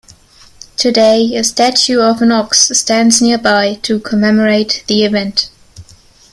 Today, a statue of an ox stands nearby to commemorate the event.